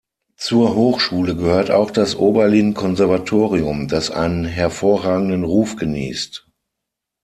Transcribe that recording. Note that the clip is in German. Zur Hochschule gehört auch das Oberlin Konservatorium, das einen hervorragenden Ruf genießt.